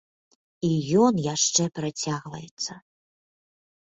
І ён яшчэ працягваецца.